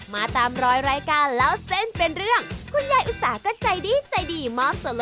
ได้วิวบรรยากาศที่ดีแบบนี้อยู่ดังที่ทะเลเลยแบบนี้นะครับ